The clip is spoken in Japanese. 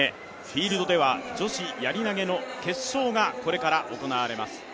フィールドでは女子やり投の決勝がこれから行われます。